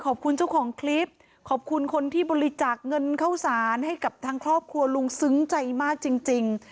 ขอบคุณเจ้าของคลิปขอบคุณคนที่บริจาคเงินเข้าสารให้กับทางครอบครัวลุงซึ้งใจมากจริง